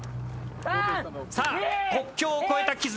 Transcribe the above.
さあ国境を越えた絆。